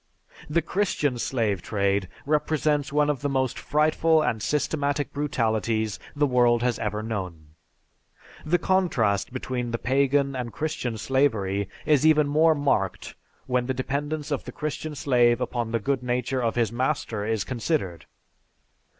The Christian slave trade represents one of the most frightful and systematic brutalities the world has ever known. The contrast between the Pagan and Christian slavery is even more marked when the dependence of the Christian slave upon the good nature of his master is considered.